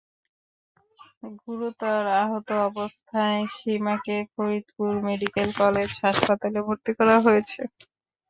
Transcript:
গুরুতর আহত অবস্থায় সীমাকে ফরিদপুর মেডিকেল কলেজ হাসপাতালে ভর্তি করা হয়েছে।